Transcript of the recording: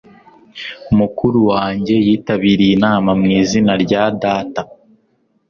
mukuru wanjye yitabiriye inama mu izina rya data